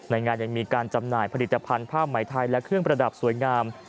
ในงานยังมีการจำหน่ายผลิตภัณฑ์ผ้าไหมไทยและเครื่องประดับสวยงาม